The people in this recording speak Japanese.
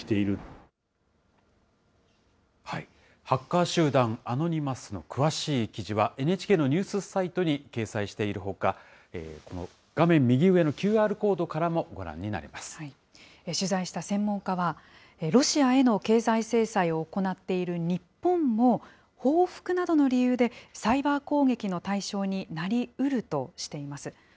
ハッカー集団、アノニマスの詳しい記事は、ＮＨＫのニュースサイトに掲載しているほか、この画面右上のＱＲコードからもご覧になれます。取材した専門家は、ロシアへの経済制裁を行っている日本も、報復などの理由でサイバー攻撃の対象になりうるとしています。